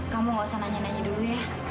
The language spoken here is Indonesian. kamu gak usah nanya nanya dulu ya